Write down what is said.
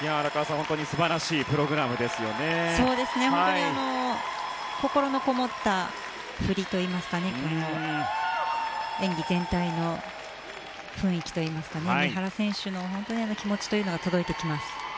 本当に心のこもった振りといいますか演技全体の雰囲気といいますか三原選手の気持ちというのが届いてきます。